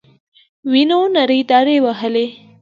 وينو نرۍ دارې وهلې.